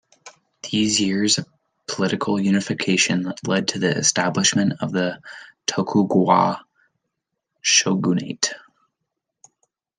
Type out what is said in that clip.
These years of political unification led to the establishment of the Tokugawa shogunate.